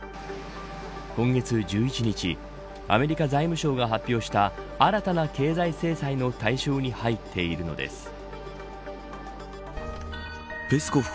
今月１１日アメリカ財務省が発表した新たな経済制裁の対象に入っているのです。